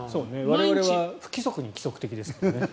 我々は不規則に規則的ですからね。